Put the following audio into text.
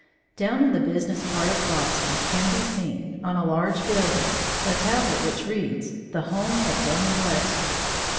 Down in the business part of Boston can be seen, on a large building, a tablet which reads "The Home of Daniel Webster."